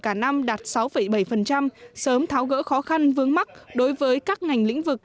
cả năm đạt sáu bảy sớm tháo gỡ khó khăn vướng mắt đối với các ngành lĩnh vực